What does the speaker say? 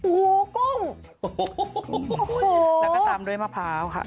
หูกุ้งแล้วก็ตามด้วยมะพร้าวค่ะ